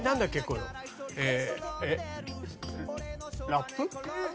ラップ。